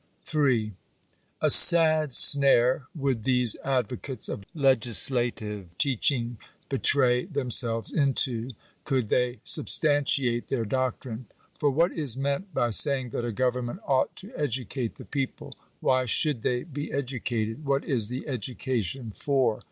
§8. A sad snare would these advocates of legislative teaching betray themselves into, oould they substantiate their doctrine. For what is meant by saying that a government ought to edu cate the people ? why should they be educated ? what is the education for?